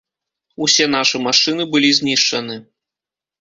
Усе нашы машыны былі знішчаны.